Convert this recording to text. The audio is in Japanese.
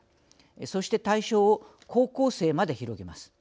そして対象を高校生まで広げます。